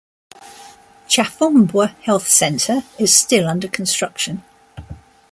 Chafumbwa health centre is still under construction.